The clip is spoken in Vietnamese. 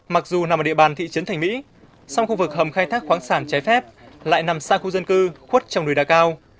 mặc dù nằm ở địa bàn thị trấn thành mỹ song khu vực hầm khai thác khoáng sản trái phép lại nằm xa khu dân cư khuất trong núi đá cao